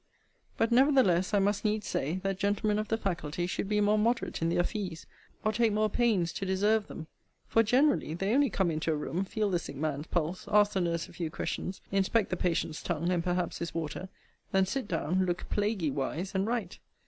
But, nevertheless, I must needs say, that gentlemen of the faculty should be more moderate in their fees, or take more pains to deserve them; for, generally, they only come into a room, feel the sick man's pulse, ask the nurse a few questions, inspect the patient's tongue, and, perhaps, his water; then sit down, look plaguy wise, and write.